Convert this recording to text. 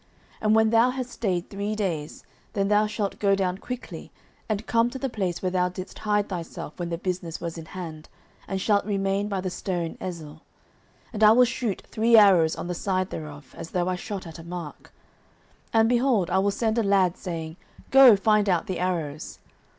09:020:019 And when thou hast stayed three days, then thou shalt go down quickly, and come to the place where thou didst hide thyself when the business was in hand, and shalt remain by the stone Ezel. 09:020:020 And I will shoot three arrows on the side thereof, as though I shot at a mark. 09:020:021 And, behold, I will send a lad, saying, Go, find out the arrows.